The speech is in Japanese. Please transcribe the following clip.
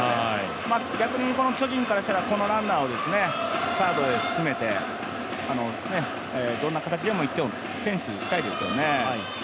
逆に巨人からしたらこのランナーを、サードへ進めてどんな形でも１点を先取したいですよね。